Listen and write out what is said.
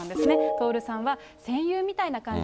徹さんは、戦友みたいな感じ。